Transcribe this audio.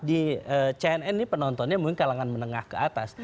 di cnn ini penontonnya mungkin kalangan menengah ke atas